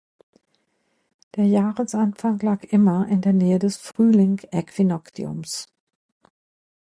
Der Jahresanfang lag immer in der Nähe des Frühling-Äquinoktiums.